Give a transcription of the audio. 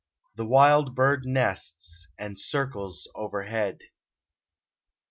The wild bird nests, and circles overhead.